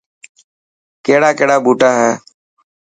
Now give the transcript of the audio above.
ڪهڙا ڪهڙا ٻوٽا هي.